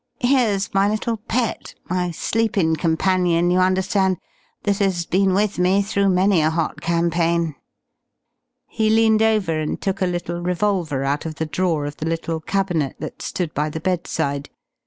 Here's my little pet, my sleepin' companion, you understand, that has been with me through many a hot campaign." He leaned over and took a little revolver out of the drawer of the little cabinet that stood by the bedside.